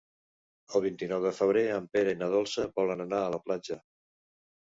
El vint-i-nou de febrer en Pere i na Dolça volen anar a la platja.